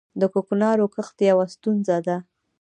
د کوکنارو کښت یوه ستونزه ده